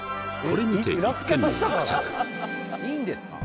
これ・いいんですか？